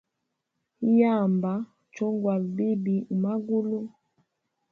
Iyamba chongwala bibi umagulu.